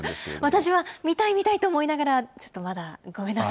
私は、見たい見たいと思いながら、ちょっとまだ、ごめんなさ